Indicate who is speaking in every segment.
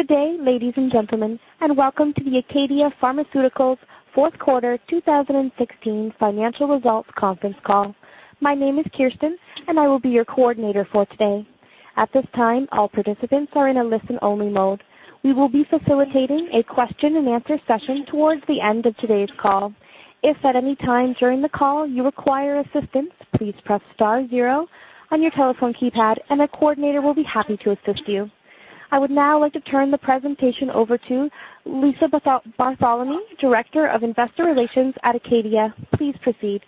Speaker 1: Good day, ladies and gentlemen, and welcome to the ACADIA Pharmaceuticals fourth quarter 2016 financial results conference call. My name is Kirsten, and I will be your coordinator for today. At this time, all participants are in a listen-only mode. We will be facilitating a question and answer session towards the end of today's call. If at any time during the call you require assistance, please press star zero on your telephone keypad and a coordinator will be happy to assist you. I would now like to turn the presentation over to Lisa Barthelemy, Director of Investor Relations at ACADIA. Please proceed.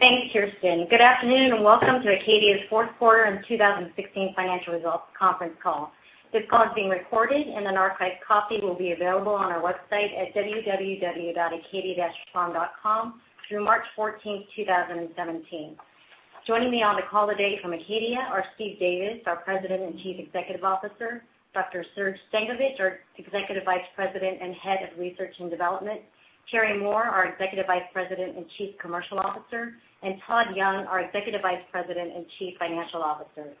Speaker 2: Thanks, Kirsten. Good afternoon and welcome to ACADIA's fourth quarter in 2016 financial results conference call. This call is being recorded and an archived copy will be available on our website at www.acadia-pharm.com through March 14th, 2017. Joining me on the call today from ACADIA are Steve Davis, our President and Chief Executive Officer, Dr. Srdjan Stankovic, our Executive Vice President and Head of Research and Development, Terry Moore, our Executive Vice President and Chief Commercial Officer, and Todd Young, our Executive Vice President and Chief Financial Officer.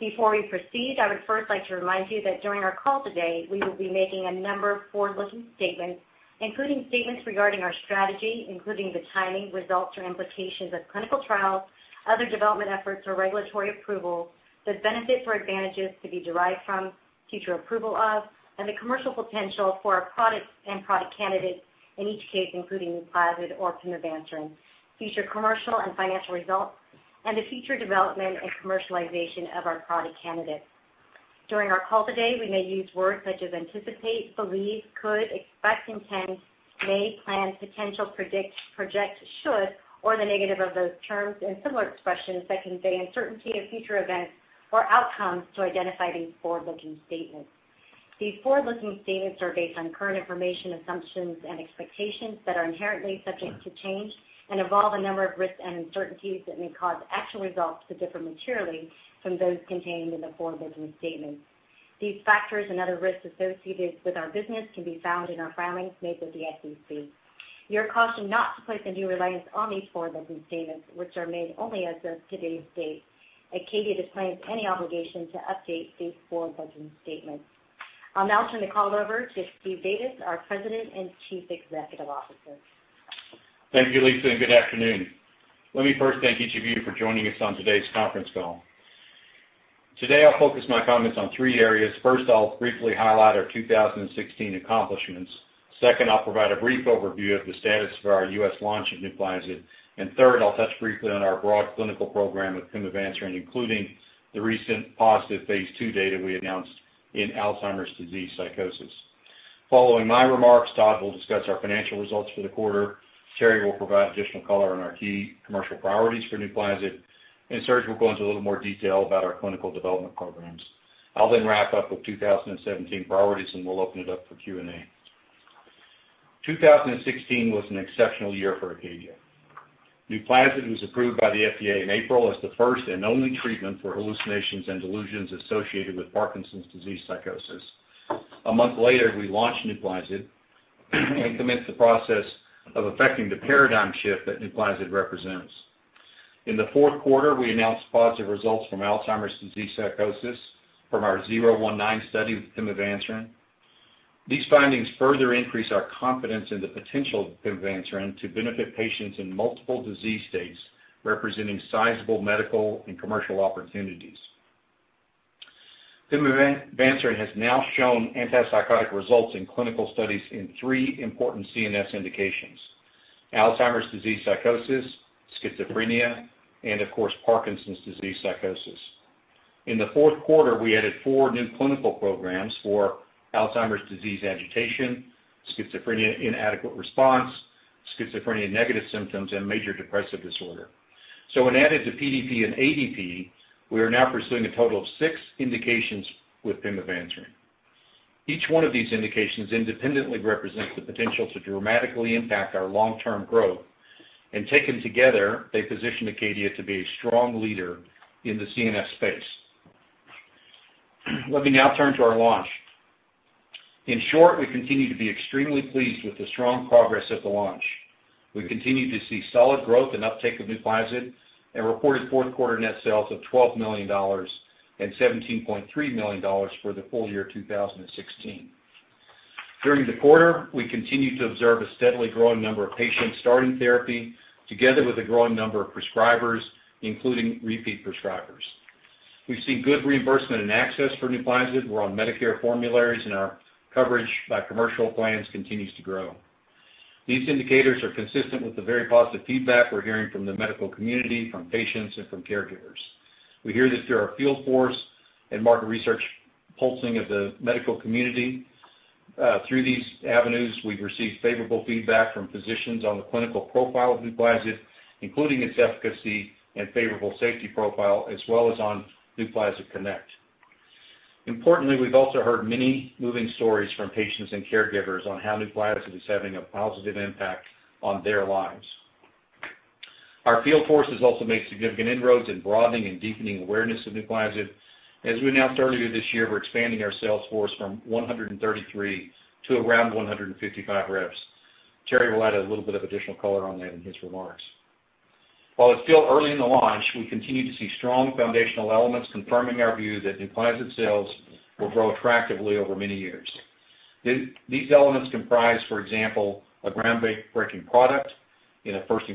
Speaker 2: Before we proceed, I would first like to remind you that during our call today, we will be making a number of forward-looking statements, including statements regarding our strategy, including the timing, results, or implications of clinical trials, other development efforts or regulatory approvals, the benefits or advantages to be derived from future approval of and the commercial potential for our products and product candidates in each case, including NUPLAZID or pimavanserin, future commercial and financial results, and the future development and commercialization of our product candidates. During our call today, we may use words such as anticipate, believe, could, expect, intend, may, plan, potential, predict, project, should, or the negative of those terms, and similar expressions that convey uncertainty of future events or outcomes to identify these forward-looking statements. These forward-looking statements are based on current information, assumptions, and expectations that are inherently subject to change and involve a number of risks and uncertainties that may cause actual results to differ materially from those contained in the forward-looking statements. These factors and other risks associated with our business can be found in our filings made with the SEC. You are cautioned not to place undue reliance on these forward-looking statements, which are made only as of today's date. ACADIA disclaims any obligation to update these forward-looking statements. I'll now turn the call over to Steve Davis, our President and Chief Executive Officer.
Speaker 3: Thank you, Lisa, good afternoon. Let me first thank each of you for joining us on today's conference call. Today, I'll focus my comments on three areas. First, I'll briefly highlight our 2016 accomplishments. Second, I'll provide a brief overview of the status for our U.S. launch of NUPLAZID, third, I'll touch briefly on our broad clinical program with pimavanserin, including the recent positive phase II data we announced in Alzheimer's disease psychosis. Following my remarks, Todd will discuss our financial results for the quarter. Terry will provide additional color on our key commercial priorities for NUPLAZID, Srdjan will go into a little more detail about our clinical development programs. I'll then wrap up with 2017 priorities, we'll open it up for Q&A. 2016 was an exceptional year for ACADIA. NUPLAZID was approved by the FDA in April as the first and only treatment for hallucinations and delusions associated with Parkinson's disease psychosis. A month later, we launched NUPLAZID and commenced the process of effecting the paradigm shift that NUPLAZID represents. In the fourth quarter, we announced positive results from Alzheimer's disease psychosis from our -019 Study with pimavanserin. These findings further increase our confidence in the potential of pimavanserin to benefit patients in multiple disease states, representing sizable medical and commercial opportunities. Pimavanserin has now shown antipsychotic results in clinical studies in three important CNS indications: Alzheimer's disease psychosis, schizophrenia, and of course, Parkinson's disease psychosis. In the fourth quarter, we added four new clinical programs for Alzheimer's disease agitation, schizophrenia inadequate response, schizophrenia negative symptoms, and major depressive disorder. When added to PDP and ADP, we are now pursuing a total of six indications with pimavanserin. Each one of these indications independently represents the potential to dramatically impact our long-term growth. Taken together, they position ACADIA to be a strong leader in the CNS space. Let me now turn to our launch. In short, we continue to be extremely pleased with the strong progress of the launch. We continue to see solid growth and uptake of NUPLAZID and reported fourth-quarter net sales of $12 million and $17.3 million for the full year 2016. During the quarter, we continued to observe a steadily growing number of patients starting therapy, together with a growing number of prescribers, including repeat prescribers. We see good reimbursement and access for NUPLAZID. We're on Medicare formularies, our coverage by commercial plans continues to grow. These indicators are consistent with the very positive feedback we're hearing from the medical community, from patients, and from caregivers. We hear this through our field force and market research pulsing of the medical community. Through these avenues, we've received favorable feedback from physicians on the clinical profile of NUPLAZID, including its efficacy and favorable safety profile, as well as on NUPLAZIDconnect. Importantly, we've also heard many moving stories from patients and caregivers on how NUPLAZID is having a positive impact on their lives. Our field force has also made significant inroads in broadening and deepening awareness of NUPLAZID. As we announced earlier this year, we're expanding our sales force from 133 to around 155 reps. Terry will add a little bit of additional color on that in his remarks. While it's still early in the launch, we continue to see strong foundational elements confirming our view that NUPLAZID sales will grow attractively over many years. These elements comprise, for example, a groundbreaking product in a first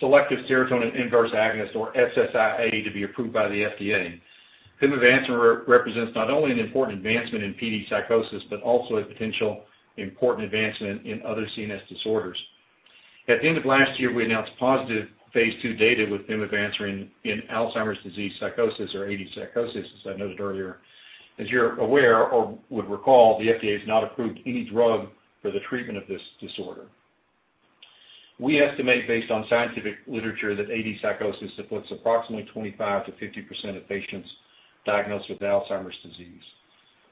Speaker 3: selective serotonin inverse agonist, or SSIA, to be approved by the FDA, pimavanserin represents not only an important advancement in PD psychosis, but also a potential important advancement in other CNS disorders. At the end of last year, we announced positive phase II data with pimavanserin in Alzheimer's disease psychosis or AD psychosis, as I noted earlier. As you are aware or would recall, the FDA has not approved any drug for the treatment of this disorder. We estimate, based on scientific literature, that AD psychosis affects approximately 25%-50% of patients diagnosed with Alzheimer's disease.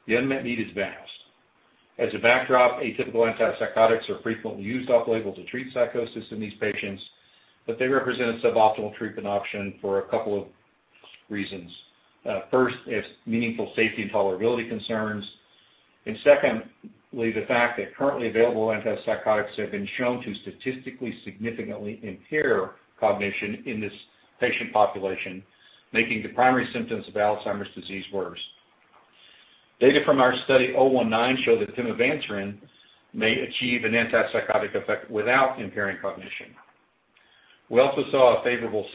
Speaker 3: The unmet need is vast. As a backdrop, atypical antipsychotics are frequently used off-label to treat psychosis in these patients, but they represent a suboptimal treatment option for a couple of reasons. First, it is meaningful safety and tolerability concerns, and secondly, the fact that currently available antipsychotics have been shown to statistically significantly impair cognition in this patient population, making the primary symptoms of Alzheimer's disease worse. Data from our study 019 show that pimavanserin may achieve an antipsychotic effect without impairing cognition. We also saw a favorable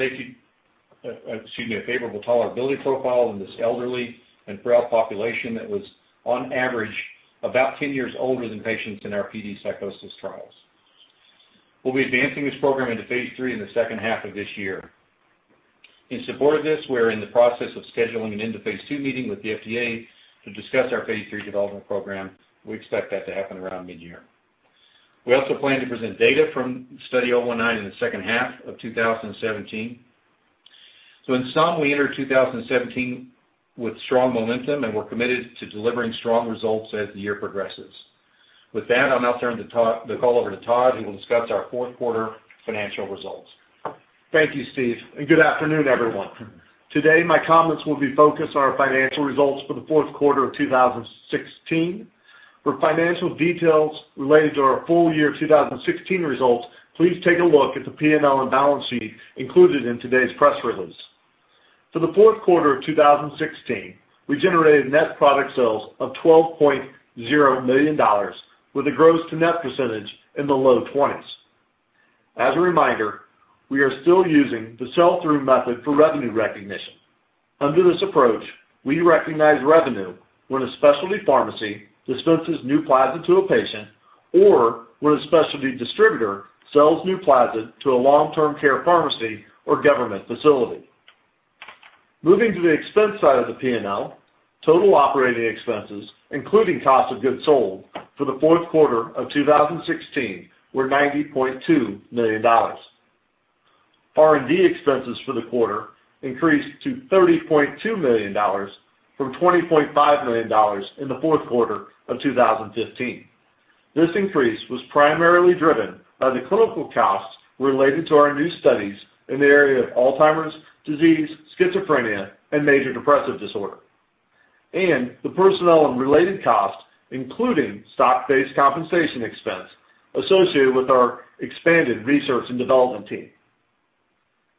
Speaker 3: tolerability profile in this elderly and frail population that was, on average, about 10 years older than patients in our PD psychosis trials. We will be advancing this program into phase III in the second half of this year. In support of this, we are in the process of scheduling an end-of-phase II meeting with the FDA to discuss our phase III development program. We expect that to happen around mid-year. We also plan to present data from Study 019 in the second half of 2017. In sum, we enter 2017 with strong momentum, and we are committed to delivering strong results as the year progresses. With that, I will now turn the call over to Todd, who will discuss our fourth quarter financial results.
Speaker 4: Thank you, Steve, and good afternoon, everyone. Today, my comments will be focused on our financial results for the fourth quarter of 2016. For financial details related to our full year 2016 results, please take a look at the P&L and balance sheet included in today's press release. For the fourth quarter of 2016, we generated net product sales of $12.0 million, with a gross-to-net percentage in the low 20s. As a reminder, we are still using the sell-through method for revenue recognition. Under this approach, we recognize revenue when a specialty pharmacy dispenses NUPLAZID to a patient, or when a specialty distributor sells NUPLAZID to a long-term care pharmacy or government facility. Moving to the expense side of the P&L, total operating expenses, including cost of goods sold for the fourth quarter of 2016, were $90.2 million. R&D expenses for the quarter increased to $30.2 million from $20.5 million in the fourth quarter of 2015. This increase was primarily driven by the clinical costs related to our new studies in the area of Alzheimer's disease, schizophrenia, and major depressive disorder. The personnel and related costs, including stock-based compensation expense associated with our expanded research and development team.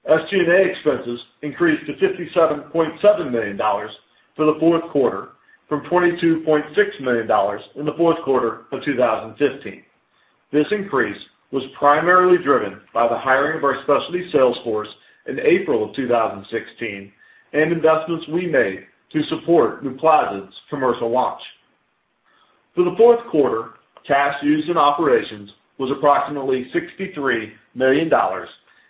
Speaker 4: SG&A expenses increased to $57.7 million for the fourth quarter from $22.6 million in the fourth quarter of 2015. This increase was primarily driven by the hiring of our specialty sales force in April 2016 and investments we made to support NUPLAZID's commercial launch. For the fourth quarter, cash used in operations was approximately $63 million,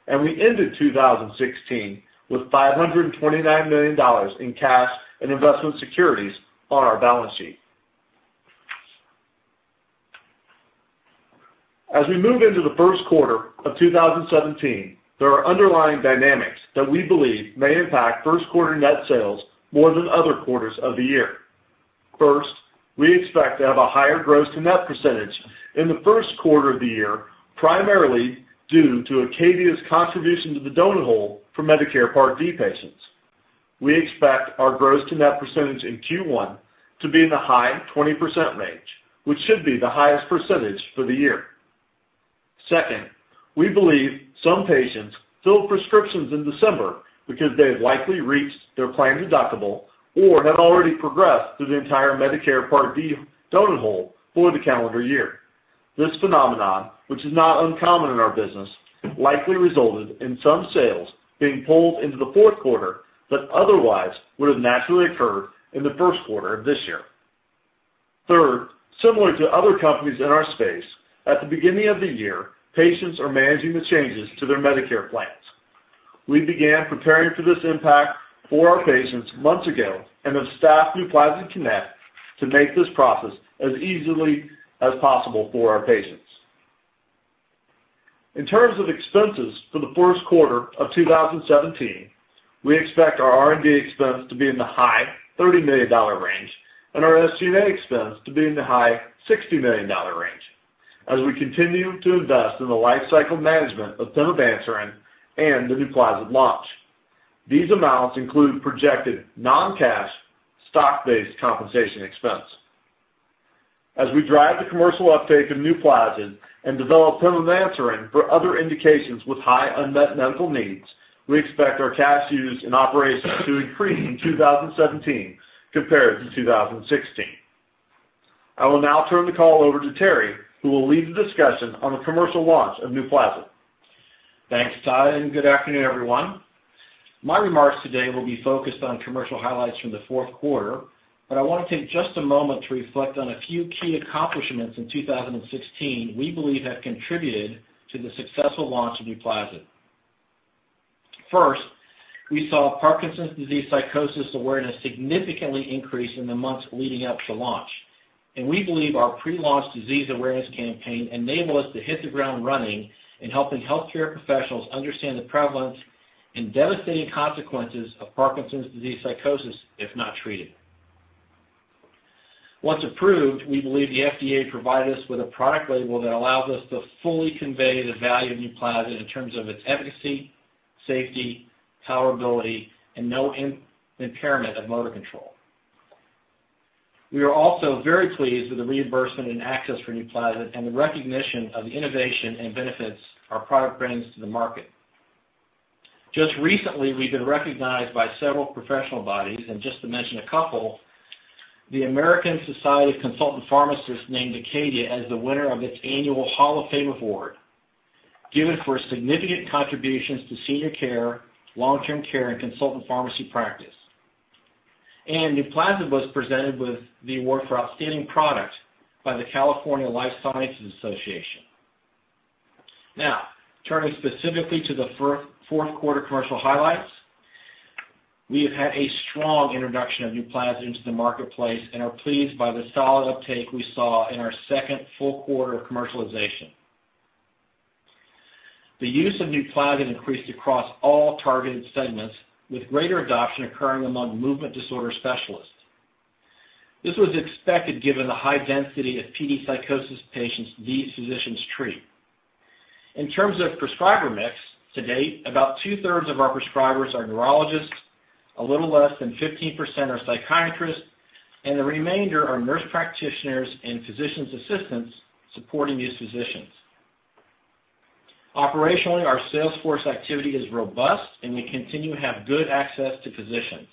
Speaker 4: and we ended 2016 with $529 million in cash and investment securities on our balance sheet. As we move into the first quarter of 2017, there are underlying dynamics that we believe may impact first quarter net sales more than other quarters of the year. First, we expect to have a higher gross to net percentage in the first quarter of the year, primarily due to ACADIA's contribution to the donut hole for Medicare Part D patients. We expect our gross to net percentage in Q1 to be in the high 20% range, which should be the highest percentage for the year. Second, we believe some patients filled prescriptions in December because they have likely reached their plan deductible or have already progressed through the entire Medicare Part D donut hole for the calendar year. This phenomenon, which is not uncommon in our business, likely resulted in some sales being pulled into the fourth quarter that otherwise would have naturally occurred in the first quarter of this year. Third, similar to other companies in our space, at the beginning of the year, patients are managing the changes to their Medicare plans. We began preparing for this impact for our patients months ago and have staffed NUPLAZIDconnect to make this process as easy as possible for our patients. In terms of expenses for the first quarter of 2017, we expect our R&D expense to be in the high $30 million range and our SG&A expense to be in the high $60 million range. We continue to invest in the lifecycle management of pimavanserin and the NUPLAZID launch. These amounts include projected non-cash stock-based compensation expense. We drive the commercial uptake of NUPLAZID and develop pimavanserin for other indications with high unmet medical needs, we expect our cash used in operations to increase in 2017 compared to 2016. I will now turn the call over to Terry, who will lead the discussion on the commercial launch of NUPLAZID.
Speaker 5: Thanks, Todd, and good afternoon, everyone. My remarks today will be focused on commercial highlights from the fourth quarter. I want to take just a moment to reflect on a few key accomplishments in 2016 we believe have contributed to the successful launch of NUPLAZID. First, we saw Parkinson's disease psychosis awareness significantly increase in the months leading up to launch. We believe our pre-launch disease awareness campaign enabled us to hit the ground running in helping healthcare professionals understand the prevalence and devastating consequences of Parkinson's disease psychosis if not treated. Once approved, we believe the FDA provided us with a product label that allows us to fully convey the value of NUPLAZID in terms of its efficacy, safety, tolerability, and no impairment of motor control. We are also very pleased with the reimbursement and access for NUPLAZID and the recognition of the innovation and benefits our product brings to the market. Just recently, we've been recognized by several professional bodies. Just to mention a couple, the American Society of Consultant Pharmacists named ACADIA as the winner of its annual Hall of Fame Award, given for significant contributions to senior care, long-term care, and consultant pharmacy practice. NUPLAZID was presented with the award for outstanding product by the California Life Sciences Association. Turning specifically to the fourth quarter commercial highlights. We have had a strong introduction of NUPLAZID into the marketplace and are pleased by the solid uptake we saw in our second full quarter of commercialization. The use of NUPLAZID increased across all targeted segments, with greater adoption occurring among movement disorder specialists. This was expected given the high density of PD psychosis patients these physicians treat. In terms of prescriber mix to date, about two-thirds of our prescribers are neurologists, a little less than 15% are psychiatrists. The remainder are nurse practitioners and physicians' assistants supporting these physicians. Operationally, our sales force activity is robust. We continue to have good access to physicians.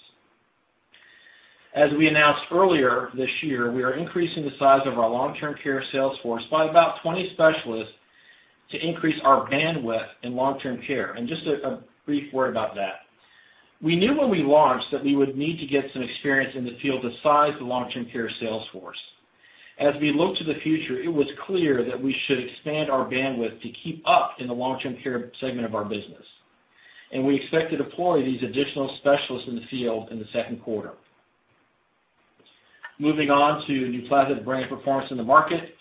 Speaker 5: As we announced earlier this year, we are increasing the size of our long-term care sales force by about 20 specialists to increase our bandwidth in long-term care. We knew when we launched that we would need to get some experience in the field to size the long-term care sales force. As we look to the future, it was clear that we should expand our bandwidth to keep up in the long-term care segment of our business. We expect to deploy these additional specialists in the field in the second quarter. Moving on to NUPLAZID brand performance in the market.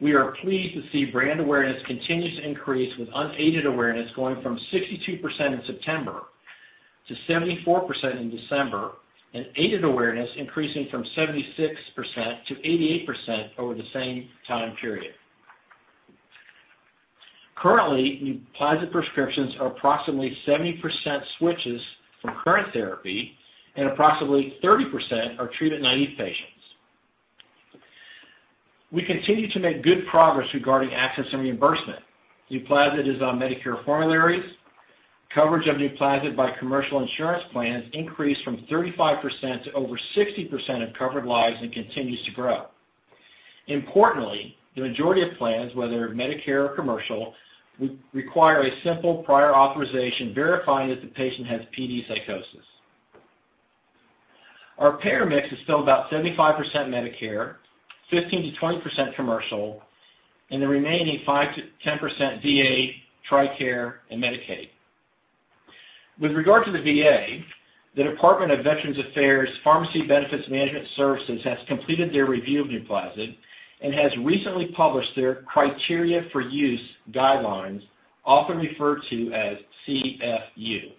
Speaker 5: We are pleased to see brand awareness continue to increase, with unaided awareness going from 62% in September to 74% in December, and aided awareness increasing from 76% to 88% over the same time period. Currently, NUPLAZID prescriptions are approximately 70% switches from current therapy and approximately 30% are treatment-naive patients. We continue to make good progress regarding access and reimbursement. NUPLAZID is on Medicare formularies. Coverage of NUPLAZID by commercial insurance plans increased from 35% to over 60% of covered lives and continues to grow. Importantly, the majority of plans, whether Medicare or commercial, require a simple prior authorization verifying that the patient has PD psychosis. Our payer mix is still about 75% Medicare, 15%-20% commercial, and the remaining 5%-10% VA, TRICARE, and Medicaid. With regard to the VA, the Department of Veterans Affairs Pharmacy Benefits Management Services has completed their review of NUPLAZID and has recently published their criteria for use guidelines, often referred to as CFU.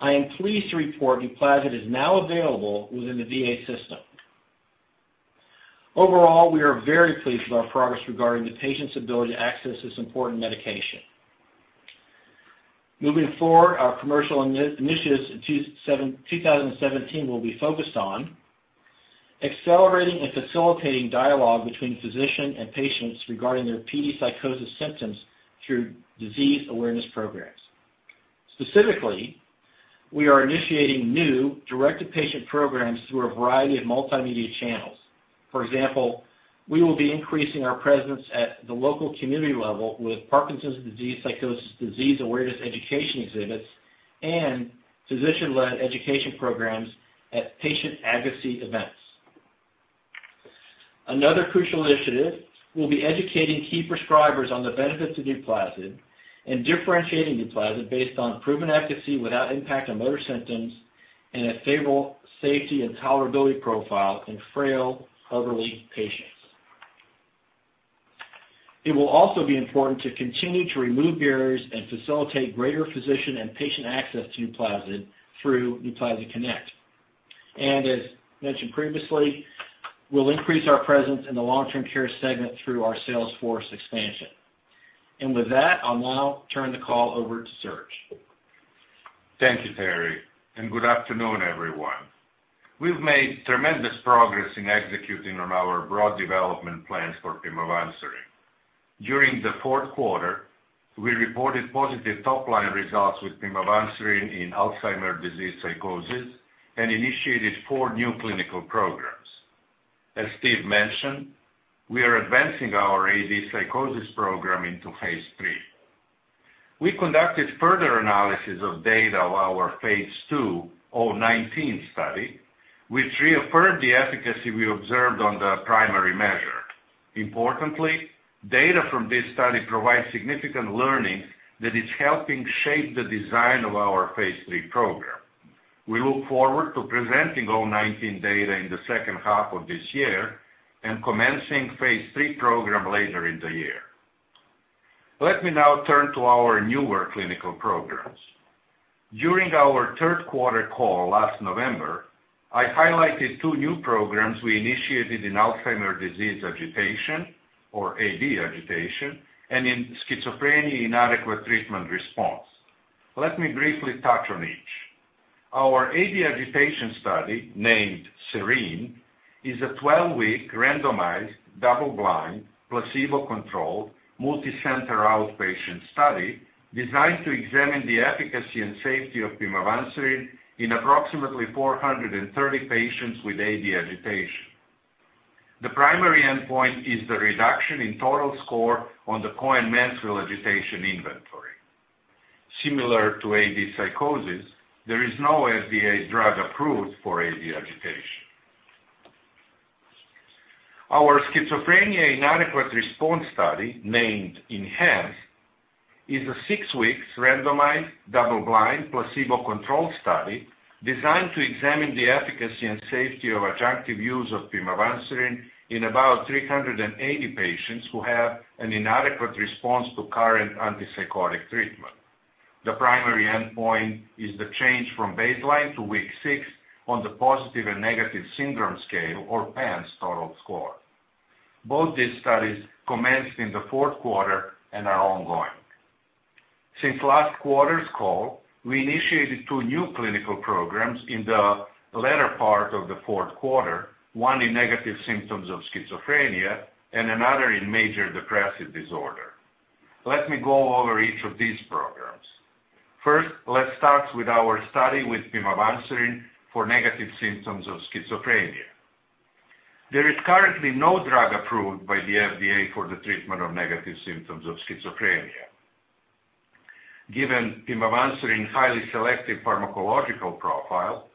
Speaker 5: I am pleased to report NUPLAZID is now available within the VA system. Overall, we are very pleased with our progress regarding the patient's ability to access this important medication. Moving forward, our commercial initiatives in 2017 will be focused on accelerating and facilitating dialogue between physician and patients regarding their PD psychosis symptoms through disease awareness programs. Specifically, we are initiating new direct-to-patient programs through a variety of multimedia channels. For example, we will be increasing our presence at the local community level with Parkinson's disease psychosis disease awareness education exhibits and physician-led education programs at patient advocacy events. Another crucial initiative will be educating key prescribers on the benefits of NUPLAZID and differentiating NUPLAZID based on proven efficacy without impact on motor symptoms and a favorable safety and tolerability profile in frail elderly patients. It will also be important to continue to remove barriers and facilitate greater physician and patient access to NUPLAZID through NUPLAZIDconnect. As mentioned previously, we'll increase our presence in the long-term care segment through our sales force expansion. With that, I'll now turn the call over to Serge.
Speaker 6: Thank you, Terry, good afternoon, everyone. We've made tremendous progress in executing on our broad development plans for pimavanserin. During the fourth quarter, we reported positive top-line results with pimavanserin in Alzheimer's disease psychosis and initiated four new clinical programs. As Steve mentioned, we are advancing our AD psychosis program into phase III. We conducted further analysis of data of our phase II 019 Study, which reaffirmed the efficacy we observed on the primary measure. Importantly, data from this study provides significant learning that is helping shape the design of our phase III program. We look forward to presenting O19 data in the second half of this year and commencing phase III program later in the year. Let me now turn to our newer clinical programs. During our third-quarter call last November, I highlighted two new programs we initiated in Alzheimer's disease agitation, or AD agitation, and in schizophrenia inadequate treatment response. Let me briefly touch on each. Our AD agitation study, named SERENE, is a 12-week randomized, double-blind, placebo-controlled, multicenter outpatient study designed to examine the efficacy and safety of pimavanserin in approximately 430 patients with AD agitation. The primary endpoint is the reduction in total score on the Cohen-Mansfield Agitation Inventory. Similar to AD psychosis, there is no FDA drug approved for AD agitation. Our schizophrenia inadequate response study, named ENHANCE, is a six weeks randomized, double-blind, placebo-controlled study designed to examine the efficacy and safety of adjunctive use of pimavanserin in about 380 patients who have an inadequate response to current antipsychotic treatment. The primary endpoint is the change from baseline to week six on the Positive and Negative Syndrome Scale, or PANSS total score. Both these studies commenced in the fourth quarter and are ongoing. Since last quarter's call, we initiated two new clinical programs in the latter part of the fourth quarter, one in negative symptoms of schizophrenia and another in major depressive disorder. Let me go over each of these programs. First, let's start with our study with pimavanserin for negative symptoms of schizophrenia. There is currently no drug approved by the FDA for the treatment of negative symptoms of schizophrenia. Given pimavanserin's highly selective pharmacological profile,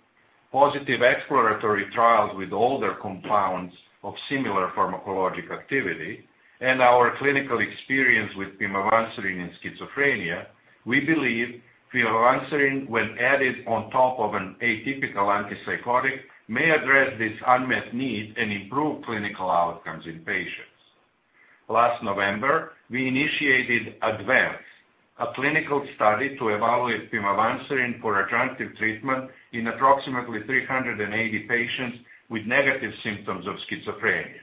Speaker 6: positive exploratory trials with older compounds of similar pharmacologic activity, and our clinical experience with pimavanserin in schizophrenia, we believe pimavanserin, when added on top of an atypical antipsychotic, may address this unmet need and improve clinical outcomes in patients. Last November, we initiated ADVANCE, a clinical study to evaluate pimavanserin for adjunctive treatment in approximately 380 patients with negative symptoms of schizophrenia.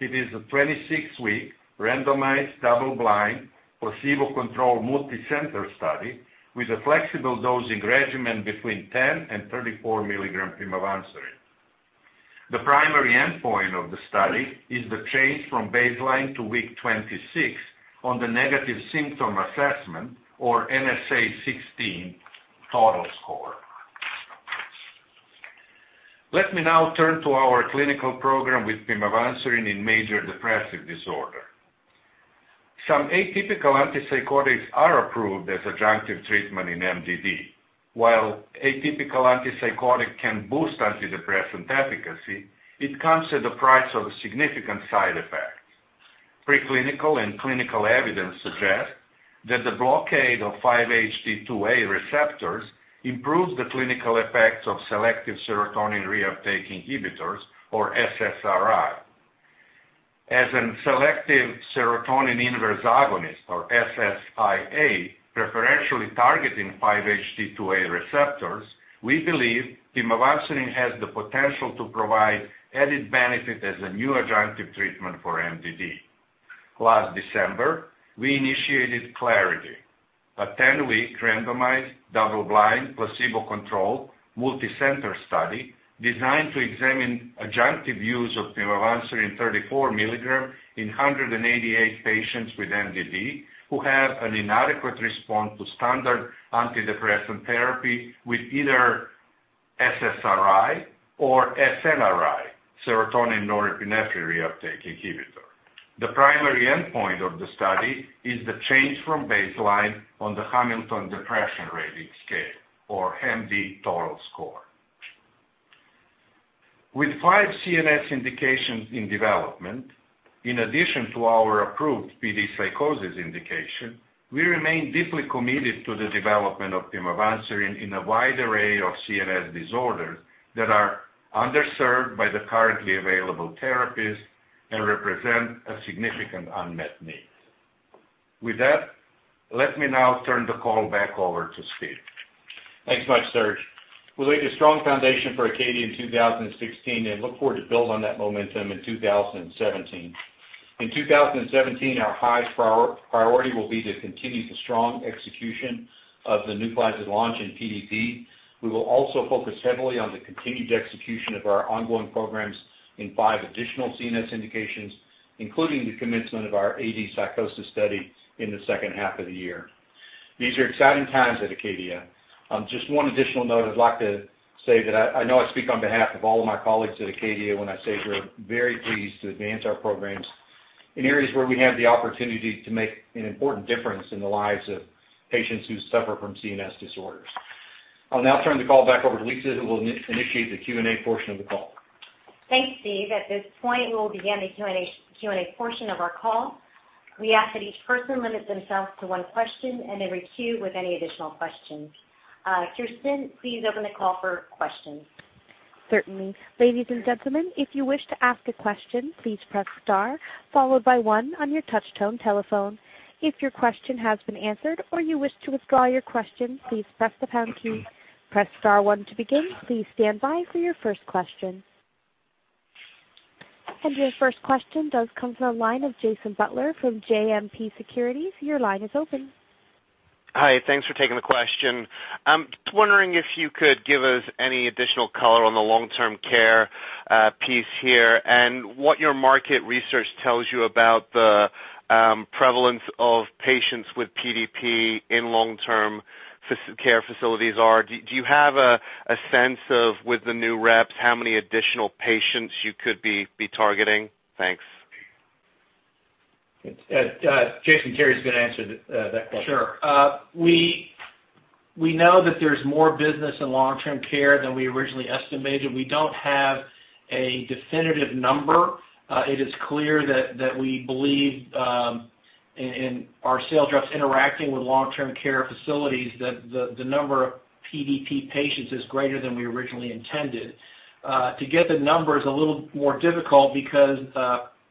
Speaker 6: It is a 26-week randomized, double-blind, placebo-controlled multicenter study with a flexible dosing regimen between 10 and 34 milligrams pimavanserin. The primary endpoint of the study is the change from baseline to week 26 on the Negative Symptom Assessment, or NSA 16 total score. Let me now turn to our clinical program with pimavanserin in major depressive disorder. Some atypical antipsychotics are approved as adjunctive treatment in MDD. While atypical antipsychotic can boost antidepressant efficacy, it comes at the price of significant side effects. Preclinical and clinical evidence suggests that the blockade of 5-HT2A receptors improves the clinical effects of selective serotonin reuptake inhibitors, or SSRI. As a selective serotonin inverse agonist, or SSIA, preferentially targeting 5-HT2A receptors, we believe pimavanserin has the potential to provide added benefit as a new adjunctive treatment for MDD. Last December, we initiated CLARITY, a 10-week randomized, double-blind, placebo-controlled multicenter study designed to examine adjunctive use of pimavanserin 34 milligrams in 188 patients with MDD who have an inadequate response to standard antidepressant therapy with either SSRI or SNRI, serotonin norepinephrine reuptake inhibitor. The primary endpoint of the study is the change from baseline on the Hamilton Depression Rating Scale, or HAM-D total score. With five CNS indications in development, in addition to our approved PD psychosis indication, we remain deeply committed to the development of pimavanserin in a wide array of CNS disorders that are underserved by the currently available therapies and represent a significant unmet need. With that, let me now turn the call back over to Steve.
Speaker 3: Thanks much, Serge. We laid a strong foundation for ACADIA in 2016 and look forward to build on that momentum in 2017. In 2017, our highest priority will be to continue the strong execution of the NUPLAZID launch in PDP. We will also focus heavily on the continued execution of our ongoing programs in five additional CNS indications, including the commencement of our AD psychosis study in the second half of the year. These are exciting times at ACADIA. Just one additional note, I'd like to say that I know I speak on behalf of all of my colleagues at ACADIA when I say we're very pleased to advance our programs in areas where we have the opportunity to make an important difference in the lives of patients who suffer from CNS disorders. I'll now turn the call back over to Lisa, who will initiate the Q&A portion of the call.
Speaker 2: Thanks, Steve. At this point, we will begin the Q&A portion of our call. We ask that each person limits themselves to one question and then queue with any additional questions. Kirsten, please open the call for questions.
Speaker 1: Certainly. Ladies and gentlemen, if you wish to ask a question, please press star followed by one on your touch tone telephone. If your question has been answered or you wish to withdraw your question, please press the pound key. Press star one to begin. Please stand by for your first question. Your first question does come from the line of Jason Butler from JMP Securities. Your line is open.
Speaker 7: Hi, thanks for taking the question. Just wondering if you could give us any additional color on the long-term care piece here and what your market research tells you about the prevalence of patients with PDP in long-term care facilities are. Do you have a sense of, with the new reps, how many additional patients you could be targeting? Thanks.
Speaker 3: Jason, Terry's going to answer that question.
Speaker 5: Sure. We know that there's more business in long-term care than we originally estimated. We don't have a definitive number. It is clear that we believe in our sales reps interacting with long-term care facilities, that the number of PDP patients is greater than we originally intended. To get the number is a little more difficult because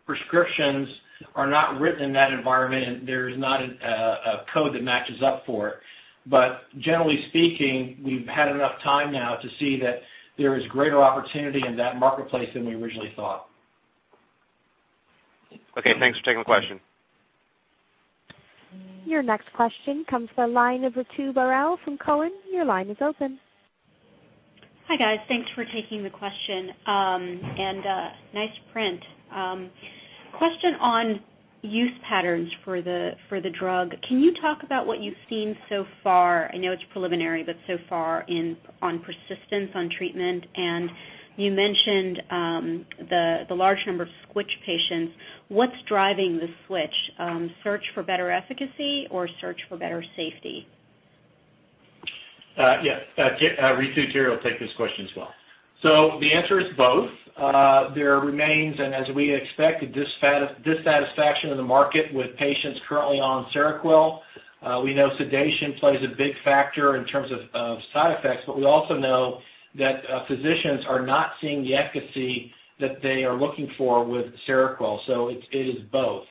Speaker 5: prescriptions are not written in that environment, and there's not a code that matches up for it. Generally speaking, we've had enough time now to see that there is greater opportunity in that marketplace than we originally thought.
Speaker 7: Okay, thanks for taking the question.
Speaker 1: Your next question comes from the line of Ritu Baral from Cowen. Your line is open.
Speaker 8: Hi, guys. Thanks for taking the question. Nice print. Question on use patterns for the drug. Can you talk about what you've seen so far? I know it's preliminary, but so far on persistence on treatment, and you mentioned the large number of switch patients. What's driving the switch? Search for better efficacy or search for better safety?
Speaker 3: Yes. Ritu, Terry will take this question as well.
Speaker 5: The answer is both. There remains, and as we expected, dissatisfaction in the market with patients currently on Seroquel. We know sedation plays a big factor in terms of side effects, but we also know that physicians are not seeing the efficacy that they are looking for with Seroquel. It is both.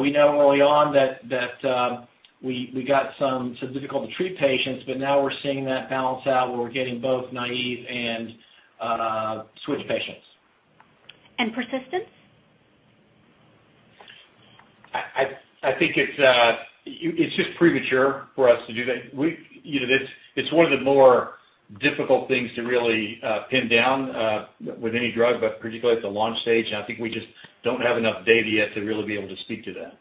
Speaker 5: We know early on that we got some difficult-to-treat patients, but now we're seeing that balance out where we're getting both naive and switch patients.
Speaker 8: persistence?
Speaker 5: I think it's just premature for us to do that. It's one of the more difficult things to really pin down with any drug, but particularly at the launch stage. I think we just don't have enough data yet to really be able to speak to that.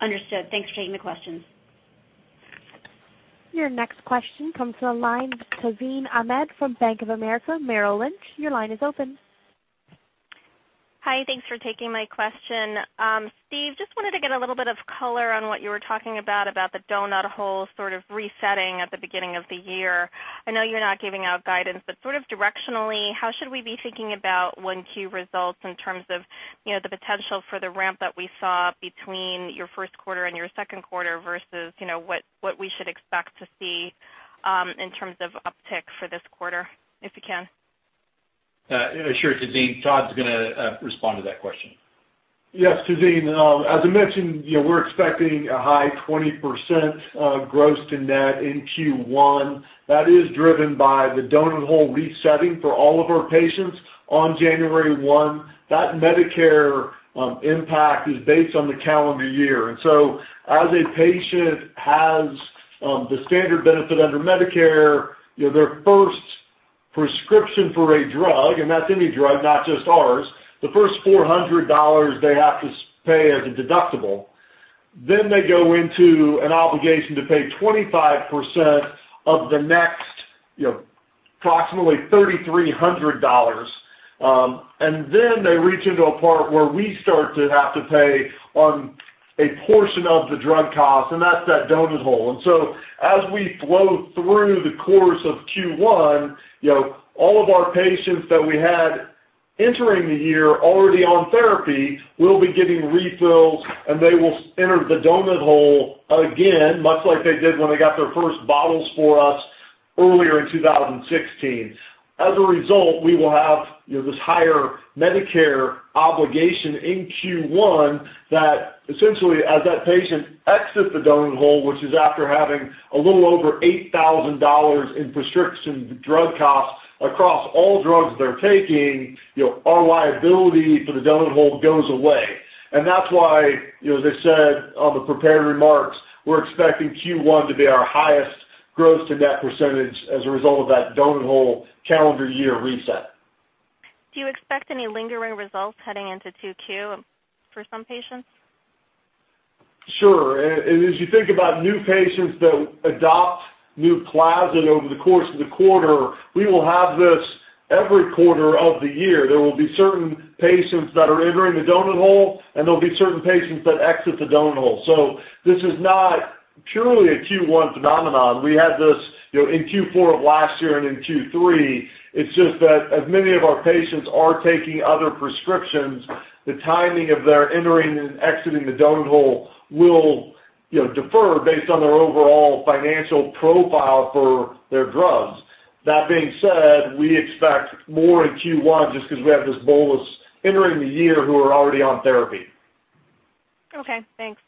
Speaker 8: Understood. Thanks for taking the questions.
Speaker 1: Your next question comes from the line, Tazeen Ahmad from Bank of America Merrill Lynch. Your line is open.
Speaker 9: Hi, thanks for taking my question. Steve, just wanted to get a little bit of color on what you were talking about the donut hole sort of resetting at the beginning of the year. I know you're not giving out guidance, but sort of directionally, how should we be thinking about when Q results in terms of the potential for the ramp that we saw between your first quarter and your second quarter versus what we should expect to see in terms of uptick for this quarter, if you can?
Speaker 3: Sure, Tazeen. Todd's going to respond to that question.
Speaker 4: Yes, Tazeen. As I mentioned, we're expecting a high 20% gross to net in Q1. That is driven by the donut hole resetting for all of our patients on January 1. That Medicare impact is based on the calendar year. As a patient has the standard benefit under Medicare, their first prescription for a drug, and that's any drug, not just ours, the first $400 they have to pay as a deductible. They go into an obligation to pay 25% of the next approximately $3,300. They reach into a part where we start to have to pay on a portion of the drug cost, and that's that donut hole. As we flow through the course of Q1, all of our patients that we had entering the year already on therapy will be getting refills, and they will enter the donut hole again, much like they did when they got their first bottles for us Earlier in 2016. As a result, we will have this higher Medicare obligation in Q1 that essentially as that patient exits the donut hole, which is after having a little over $8,000 in prescription drug costs across all drugs they're taking, our liability for the donut hole goes away. That's why, as I said on the prepared remarks, we're expecting Q1 to be our highest gross to net percentage as a result of that donut hole calendar year reset.
Speaker 9: Do you expect any lingering results heading into 2Q for some patients?
Speaker 4: Sure. As you think about new patients that adopt NUPLAZID over the course of the quarter, we will have this every quarter of the year. There will be certain patients that are entering the donut hole, and there'll be certain patients that exit the donut hole. This is not purely a Q1 phenomenon. We had this in Q4 of last year and in Q3. It's just that as many of our patients are taking other prescriptions, the timing of their entering and exiting the donut hole will defer based on their overall financial profile for their drugs. That being said, we expect more in Q1 just because we have this bolus entering the year who are already on therapy.
Speaker 9: Okay, thanks.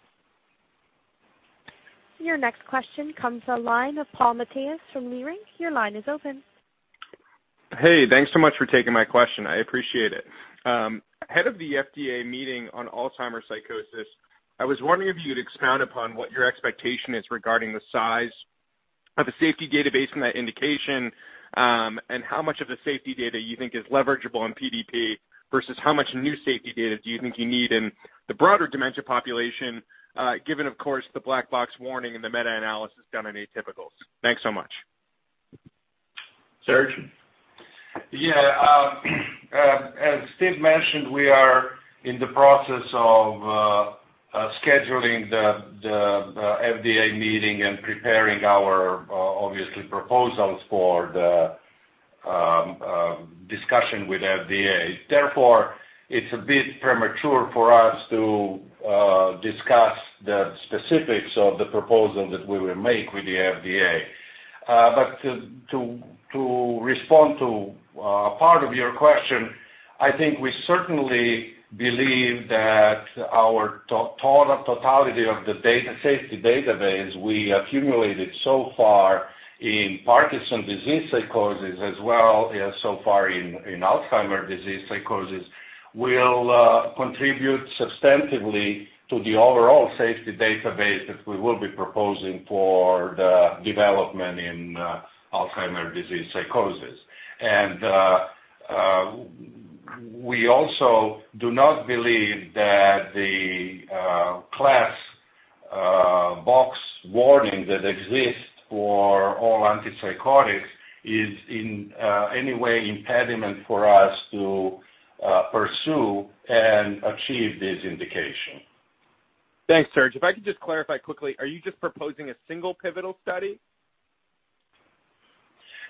Speaker 1: Your next question comes the line of Paul Matteis from Leerink. Your line is open.
Speaker 10: Hey, thanks so much for taking my question. I appreciate it. Ahead of the FDA meeting on Alzheimer's disease psychosis, I was wondering if you'd expound upon what your expectation is regarding the size of the safety database in that indication, and how much of the safety data you think is leverageable on PDP versus how much new safety data do you think you need in the broader dementia population, given, of course, the black box warning and the meta-analysis done on atypicals. Thanks so much.
Speaker 3: Serge?
Speaker 6: Yeah. As Steve mentioned, we are in the process of scheduling the FDA meeting and preparing our, obviously, proposals for the discussion with FDA. It's a bit premature for us to discuss the specifics of the proposal that we will make with the FDA. To respond to part of your question, I think we certainly believe that our totality of the safety database we accumulated so far in Parkinson's disease psychosis as well as so far in Alzheimer's disease psychosis will contribute substantively to the overall safety database that we will be proposing for the development in Alzheimer's disease psychosis. We also do not believe that the black box warning that exists for all antipsychotics is in any way impediment for us to pursue and achieve this indication.
Speaker 10: Thanks, Serge. If I could just clarify quickly, are you just proposing a single pivotal study?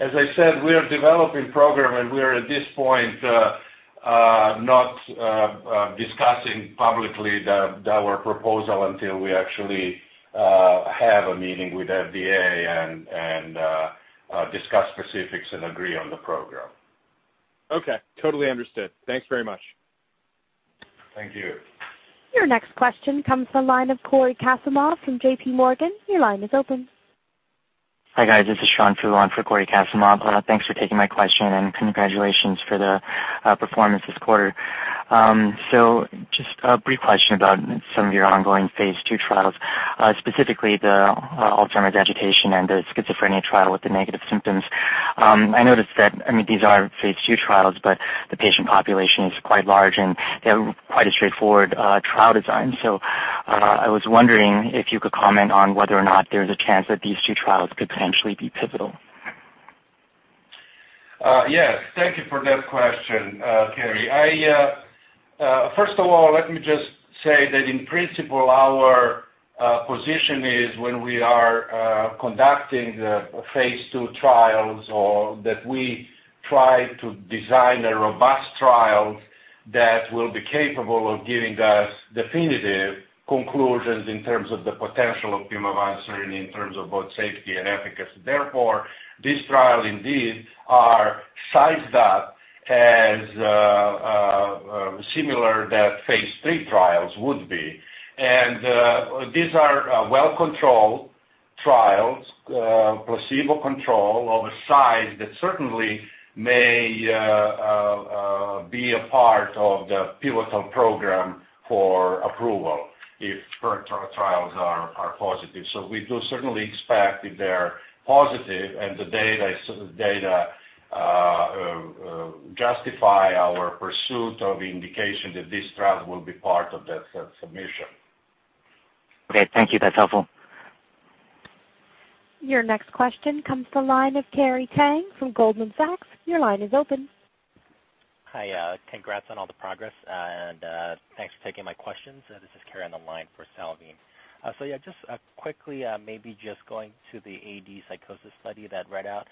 Speaker 6: As I said, we are developing program, we are at this point not discussing publicly our proposal until we actually have a meeting with FDA and discuss specifics and agree on the program.
Speaker 10: Okay. Totally understood. Thanks very much.
Speaker 6: Thank you.
Speaker 1: Your next question comes from the line of Cory Kasimov from JPMorgan. Your line is open.
Speaker 11: Hi, guys. This is Sean Fu on for Cory Kasimov. Thanks for taking my question and congratulations for the performance this quarter. Just a brief question about some of your ongoing phase II trials, specifically the Alzheimer's agitation and the schizophrenia trial with the negative symptoms. I noticed that these are phase II trials, but the patient population is quite large and they have quite a straightforward trial design. I was wondering if you could comment on whether or not there's a chance that these two trials could potentially be pivotal.
Speaker 6: Yes. Thank you for that question, Cory. First of all, let me just say that in principle, our position is when we are conducting the phase II trials or that we try to design a robust trial that will be capable of giving us definitive conclusions in terms of the potential of pimavanserin in terms of both safety and efficacy. This trial indeed are sized up as similar that phase III trials would be. These are well-controlled trials, placebo control of a size that certainly may be a part of the pivotal program for approval if current trials are positive. We do certainly expect if they're positive and the data justify our pursuit of indication that these trials will be part of that submission.
Speaker 11: Okay. Thank you. That's helpful.
Speaker 1: Your next question comes to the line of Salveen Richter from Goldman Sachs. Your line is open.
Speaker 12: Hi. Congrats on all the progress and thanks for taking my questions. This is Karin on the line for Salveen. Just quickly, maybe just going to the AD psychosis study that read out.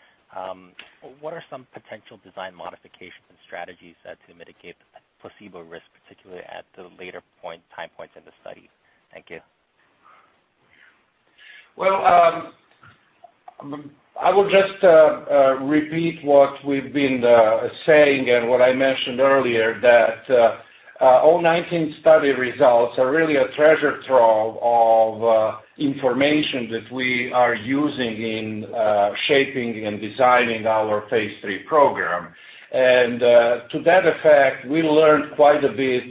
Speaker 12: What are some potential design modifications and strategies to mitigate placebo risk, particularly at the later time points in the study? Thank you.
Speaker 6: I will just repeat what we've been saying and what I mentioned earlier, that -019 Study results are really a treasure trove of information that we are using in shaping and designing our phase III program. To that effect, we learned quite a bit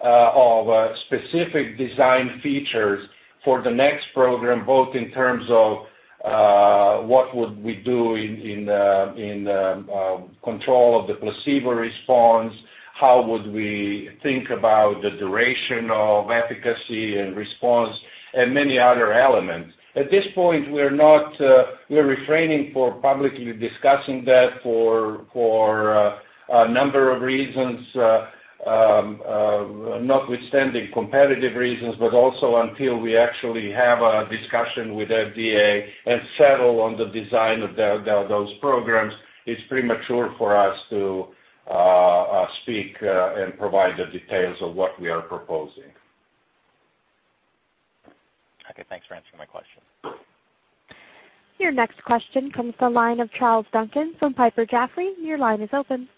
Speaker 6: of specific design features for the next program, both in terms of what would we do in control of the placebo response, how would we think about the duration of efficacy and response, and many other elements. At this point, we're refraining for publicly discussing that for a number of reasons, notwithstanding competitive reasons, but also until we actually have a discussion with FDA and settle on the design of those programs, it's premature for us to speak and provide the details of what we are proposing.
Speaker 12: Okay, thanks for answering my question.
Speaker 1: Your next question comes from the line of Charles Duncan from Piper Jaffray. Your line is open.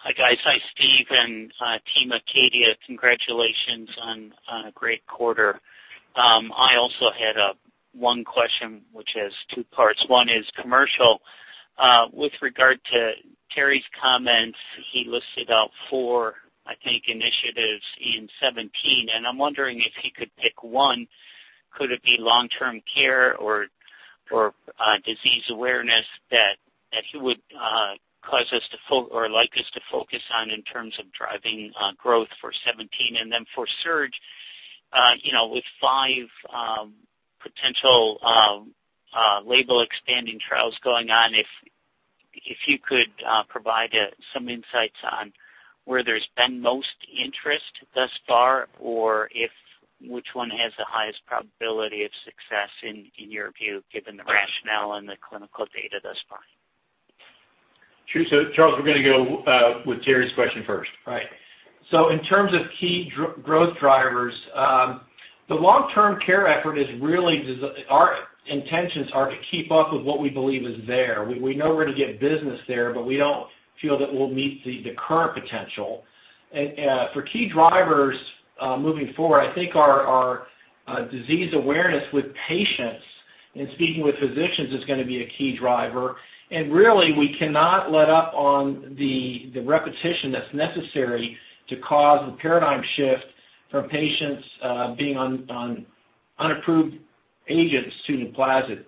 Speaker 13: Hi, guys. Hi, Steve and team ACADIA Pharmaceuticals. Congratulations on a great quarter. I also had one question, which is two parts. One is commercial. With regard to Terry's comments, he listed out four, I think, initiatives in 2017. I'm wondering if he could pick one. Could it be long-term care or disease awareness that he would like us to focus on in terms of driving growth for 2017? Then for Srdjan, with five potential label expanding trials going on, if you could provide some insights on where there's been most interest thus far, or which one has the highest probability of success in your view, given the rationale and the clinical data thus far?
Speaker 3: Sure. Charles, we're going to go with Terry's question first.
Speaker 5: Right. In terms of key growth drivers, the long-term care effort is really our intentions are to keep up with what we believe is there. We know where to get business there, but we don't feel that we'll meet the current potential. For key drivers moving forward, I think our disease awareness with patients and speaking with physicians is going to be a key driver. Really, we cannot let up on the repetition that's necessary to cause a paradigm shift from patients being on unapproved agents to NUPLAZID.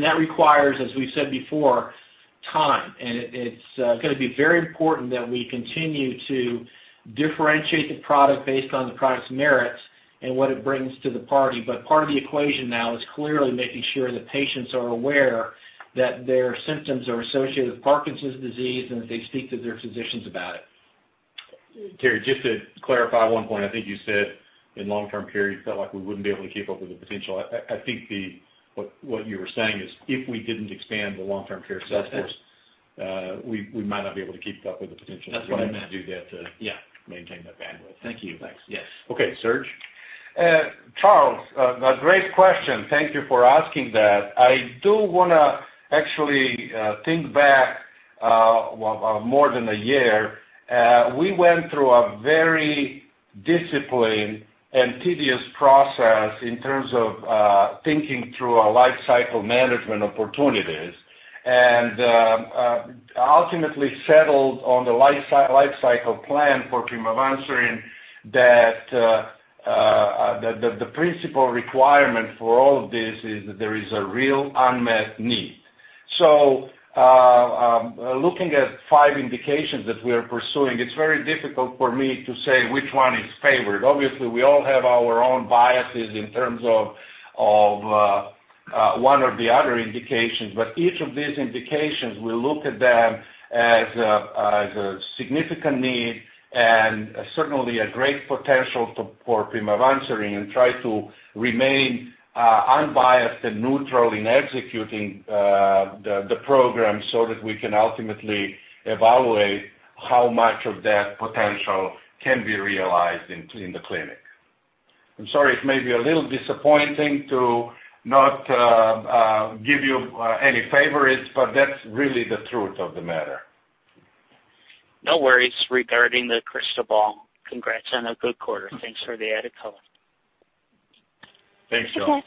Speaker 5: That requires, as we've said before, time, and it's going to be very important that we continue to differentiate the product based on the product's merits and what it brings to the party. Part of the equation now is clearly making sure the patients are aware that their symptoms are associated with Parkinson's disease and that they speak to their physicians about it.
Speaker 3: Terry, just to clarify one point, I think you said in long-term care, you felt like we wouldn't be able to keep up with the potential. I think what you were saying is if we didn't expand the long-term care sales force.
Speaker 5: That's it.
Speaker 3: we might not be able to keep up with the potential.
Speaker 5: That's what I meant.
Speaker 3: We need to do that.
Speaker 5: Yeah
Speaker 3: maintain that bandwidth.
Speaker 5: Thank you.
Speaker 3: Thanks.
Speaker 5: Yes.
Speaker 3: Okay. Serge?
Speaker 6: Charles, a great question. Thank you for asking that. I do want to actually think back more than a year. We went through a very disciplined and tedious process in terms of thinking through our life cycle management opportunities, and ultimately settled on the life cycle plan for pimavanserin that the principal requirement for all of this is that there is a real unmet need. Looking at five indications that we are pursuing, it's very difficult for me to say which one is favored. Obviously, we all have our own biases in terms of one or the other indications, but each of these indications, we look at them as a significant need and certainly a great potential for pimavanserin and try to remain unbiased and neutral in executing the program so that we can ultimately evaluate how much of that potential can be realized in the clinic. I'm sorry if may be a little disappointing to not give you any favorites, but that's really the truth of the matter.
Speaker 13: No worries regarding the crystal ball. Congrats on a good quarter. Thanks for the added color.
Speaker 6: Thanks, Charles.
Speaker 1: Okay.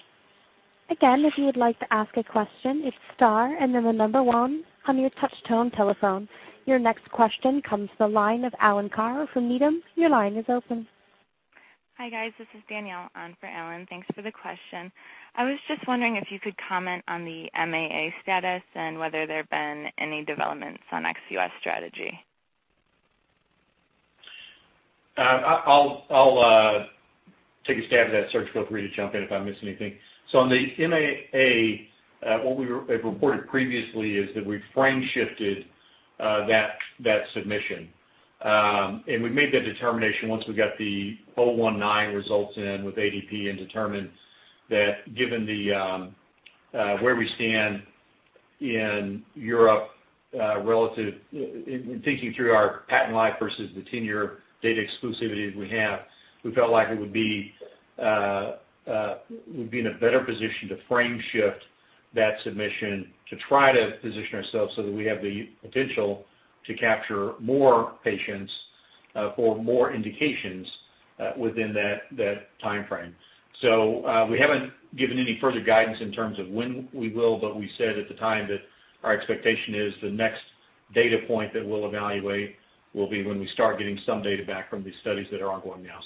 Speaker 1: Again, if you would like to ask a question, it's star and then the number one on your touch-tone telephone. Your next question comes from the line of Alan Carr from Needham. Your line is open.
Speaker 14: Hi, guys. This is Danielle on for Alan. Thanks for the question. I was just wondering if you could comment on the MAA status and whether there have been any developments on XUS strategy.
Speaker 3: I'll take a stab at that. Serge, feel free to jump in if I miss anything. On the MAA, what we have reported previously is that we frame shifted that submission. We made that determination once we got the 019 results in with ADP and determined that given where we stand in Europe, in thinking through our patent life versus the 10-year data exclusivity that we have, we felt like we'd be in a better position to frame shift that submission to try to position ourselves so that we have the potential to capture more patients for more indications within that timeframe. We haven't given any further guidance in terms of when we will, but we said at the time that our expectation is the next data point that we'll evaluate will be when we start getting some data back from these studies that are ongoing now.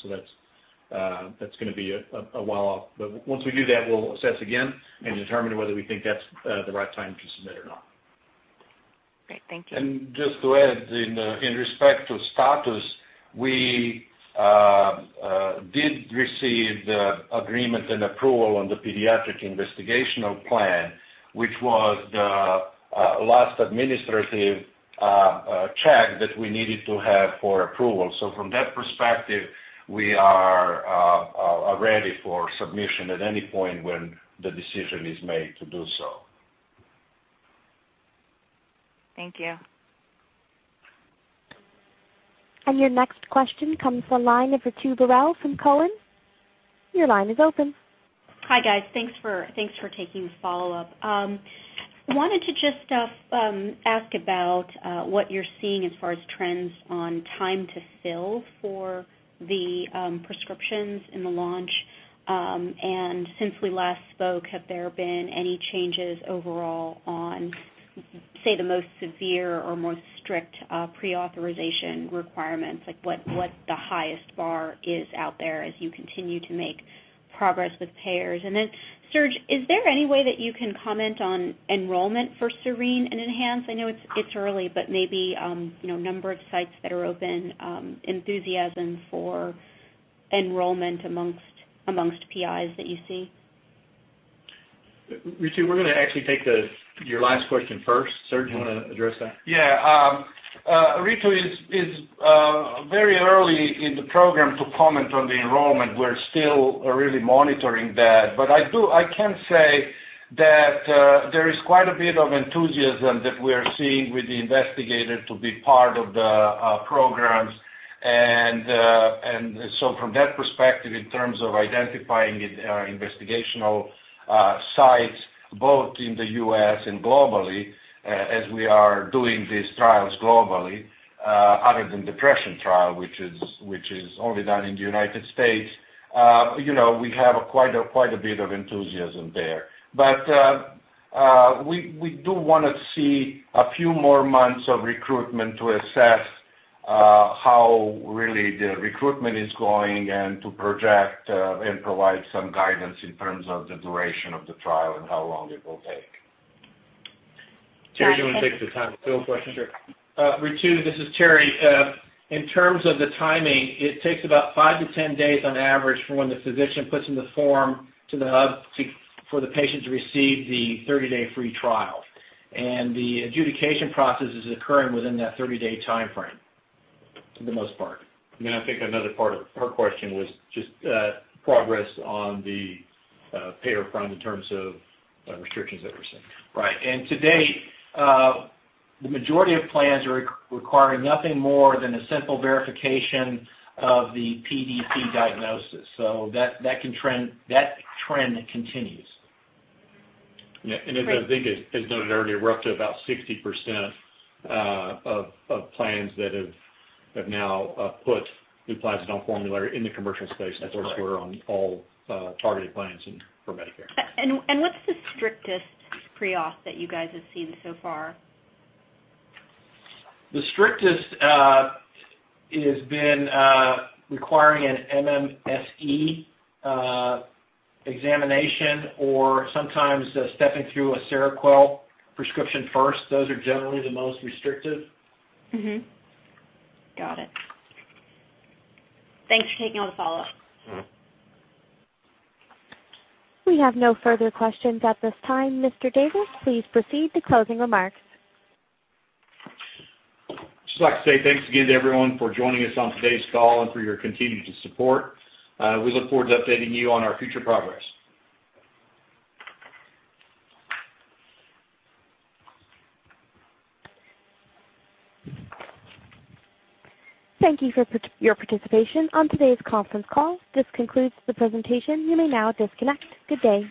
Speaker 3: That's going to be a while. Once we do that, we'll assess again and determine whether we think that's the right time to submit or not.
Speaker 14: Great. Thank you.
Speaker 6: Just to add, in respect to status, we did receive the agreement and approval on the pediatric investigational plan, which was the last administrative check that we needed to have for approval. From that perspective, we are ready for submission at any point when the decision is made to do so.
Speaker 14: Thank you.
Speaker 1: Your next question comes from the line of Ritu Baral from Cowen. Your line is open.
Speaker 8: Hi, guys. Thanks for taking the follow-up. Wanted to just ask about what you're seeing as far as trends on time to fill for the prescriptions in the launch. Since we last spoke, have there been any changes overall on, say, the most severe or most strict pre-authorization requirements? Like what the highest bar is out there as you continue to make progress with payers. Then, Serge, is there any way that you can comment on enrollment for SERENE and ENHANCE? I know it's early, but maybe number of sites that are open, enthusiasm for enrollment amongst PIs that you see.
Speaker 3: Ritu, we're going to actually take your last question first. Srdjan, you want to address that?
Speaker 6: Yeah. Ritu, it's very early in the program to comment on the enrollment. We're still really monitoring that. I can say that there is quite a bit of enthusiasm that we're seeing with the investigators to be part of the programs. From that perspective, in terms of identifying investigational sites, both in the U.S. and globally, as we are doing these trials globally, other than depression trial, which is only done in the United States, we have quite a bit of enthusiasm there. We do want to see a few more months of recruitment to assess how really the recruitment is going and to project and provide some guidance in terms of the duration of the trial and how long it will take.
Speaker 3: Terrence, do you want to take the time to fill question?
Speaker 5: Sure. Ritu, this is Terrence. In terms of the timing, it takes about five to 10 days on average from when the physician puts in the form to the hub for the patient to receive the 30-day free trial. The adjudication process is occurring within that 30-day timeframe, for the most part.
Speaker 3: I think another part of her question was just progress on the payer front in terms of restrictions that we're seeing.
Speaker 5: Right. To date, the majority of plans are requiring nothing more than a simple verification of the PDP diagnosis. That trend continues.
Speaker 3: Yeah. As I think is noted earlier, we're up to about 60% of plans that have now put NUPLAZID formulary in the commercial space.
Speaker 5: That's right.
Speaker 3: of course, we're on all targeted plans and for Medicare.
Speaker 8: What's the strictest pre-auth that you guys have seen so far?
Speaker 5: The strictest has been requiring an MMSE examination or sometimes stepping through a Seroquel prescription first. Those are generally the most restrictive.
Speaker 8: Got it. Thanks for taking all the follow-ups.
Speaker 1: We have no further questions at this time. Mr. Davis, please proceed to closing remarks.
Speaker 3: Just like to say thanks again to everyone for joining us on today's call and for your continued support. We look forward to updating you on our future progress.
Speaker 1: Thank you for your participation on today's conference call. This concludes the presentation. You may now disconnect. Good day.